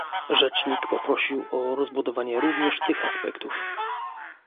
Rzecznik prosił o rozbudowanie również tych aspektów